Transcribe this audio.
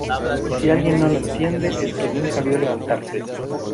y si alguien no lo entiende, es que nunca vio levantarse